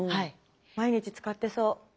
毎日使ってそう。